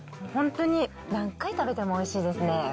本当に何回食べてもおいしいですね。